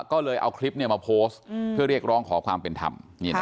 ก็เลยเอาคลิปมาโพสต์เพื่อเรียกร้องขอความเป็นธรรม